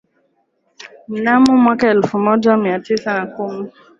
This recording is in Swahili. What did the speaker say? mnamo mwaka elfu moja mia tisa na kumi